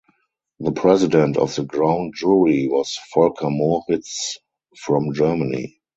The president of the Ground Jury was Volker Moritz from Germany.